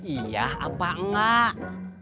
iya apa enggak